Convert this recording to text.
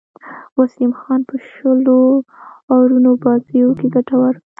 وسیم خان په شلو آورونو بازيو کښي ګټور وو.